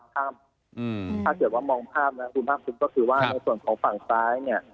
ถ้าเกิดว่ามองภาพนะคุณภาคภูมิก็คือว่าในส่วนของฝั่งซ้ายเนี่ย